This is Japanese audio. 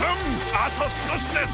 あとすこしです！